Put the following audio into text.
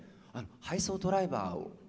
配送ドライバーを。